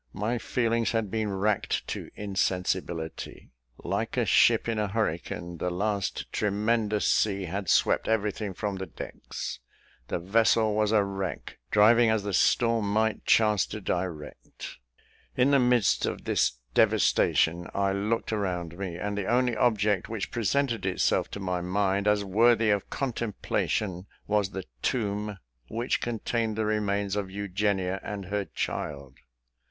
My feelings had been racked to insensibility. Like a ship in a hurricane, the last tremendous sea had swept everything from the decks the vessel was a wreck, driving as the storm might chance to direct. In the midst of this devastation, I looked around me, and the only object which presented itself to my mind, as worthy of contemplation, was the tomb which contained the remains of Eugenia and her child.